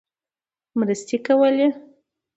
مرستې کولې.